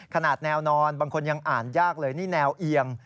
ขนาดแนวนอนบางคนยังอ่านยากเลยนี่แนวเอียง